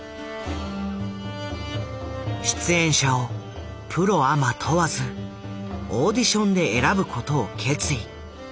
出演者をプロアマ問わずオーディションで選ぶことを決意。